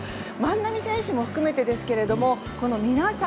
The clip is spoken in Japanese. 万波選手も含めてですけれどもこの皆さん